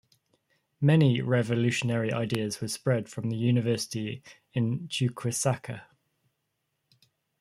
Many revolutionary ideas were spread from the University in Chuquisaca.